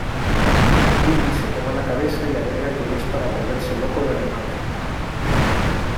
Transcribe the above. Willie se toma la cabeza y agrega que es para volverse loco de remate.